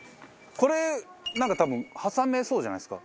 これなんか多分挟めそうじゃないですか。